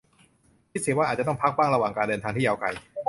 คิดเสียว่าอาจจะต้องพักบ้างระหว่างการเดินทางที่ยาวไกล